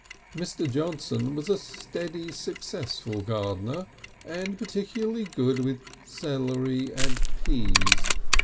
Mr. Johnson was a steady, successful gardener, and particularly good with celery and peas.